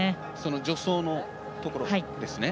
助走のところですね。